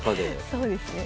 そうですね。